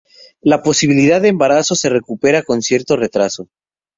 La posibilidad de embarazo se recupera con cierto retraso.